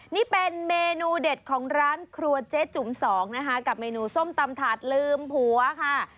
นี่เป็นเมนูเด็ดของร้านครัวเจ๊จุ๋มสองนะคะกับเมนูส้มตำถาดลืมผัวค่ะ